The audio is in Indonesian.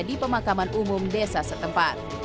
di pemakaman umum desa setempat